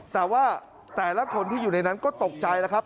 แต่ว่าแถวคนที่อยู่ในนั้นก็ตกใจนะครับ